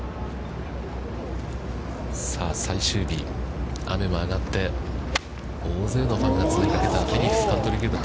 最終日、雨も上がって大勢のファンが詰めかけたフェニックスカントリークラブ。